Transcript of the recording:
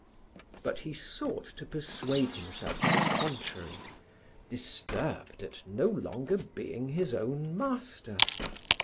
But he sought to persuade himself to the contrary, disturbed at no longer being his own master.